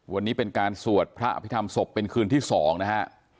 วันนี้เป็นการสวดพระอภิษฐรรมศพเป็นคืนที่๒นะฮะ